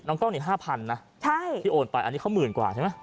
กล้องนี่๕๐๐นะที่โอนไปอันนี้เขาหมื่นกว่าใช่ไหม